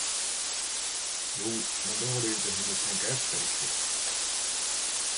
Jo, men då har du hunnit tänka efter riktigt.